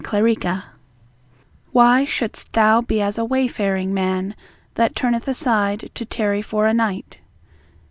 The Reason "Why shouldest Thou be as a wayfaring man, that turneth aside to tarry for a night?"